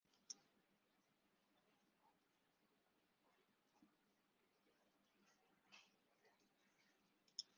The album cover features a photo of Brownstein being hauled off a dance floor.